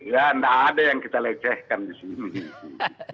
ya tidak ada yang kita lecehkan di sini